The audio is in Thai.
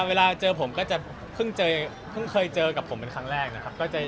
เวลาเจอผมก็จะเพิ่งเคยเจอกับผมเป็นครั้งแรกนะครับ